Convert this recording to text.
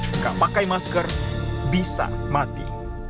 jika pakai masker bisa mati